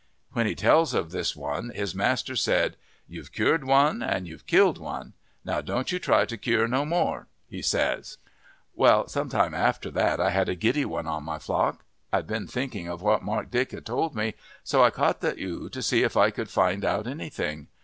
When he tells of this one his master said, 'You've cured one and you've killed one; now don't you try to cure no more,' he says. "Well, some time after that I had a giddy one in my flock. I'd been thinking of what Mark Dick had told me, so I caught the ewe to see if I could find out anything.